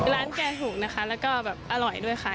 ร้านแกถูกนะคะแล้วก็แบบอร่อยด้วยค่ะ